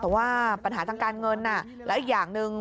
แต่ว่าปัญหาทางการเงินแล้วอีกอย่างหนึ่ง